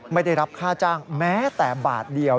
ไม่ได้รับค่าจ้างแม้แต่บาทเดียว